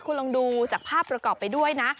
คุณลองดูจากภาพประกอบไปด้วยนะ